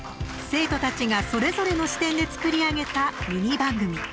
生徒たちが、それぞれの視点で作り上げたミニ番組。